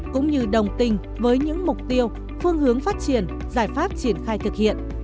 cũng như đồng tình với những mục tiêu phương hướng phát triển giải pháp triển khai thực hiện